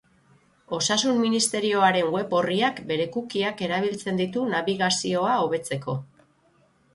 Osasun Ministerioaren web orriak bere cookie-ak erabiltzen ditu nabigazioa hobetzeko.